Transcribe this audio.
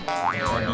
aduh bisa gue kesini